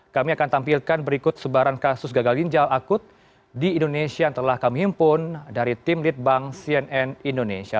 kami akan tampilkan berikut sebaran kasus gagal ginjal akut di indonesia yang telah kami himpun dari tim litbang cnn indonesia